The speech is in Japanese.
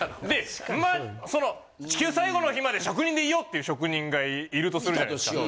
で地球最後の日まで職人でいようっていう職人がいるとするじゃないですか。